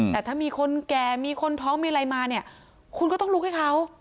แต่ถ้ามีคนแก่มีคนท้องมีอะไรมาเนี่ยคุณก็ต้องลุกให้เขา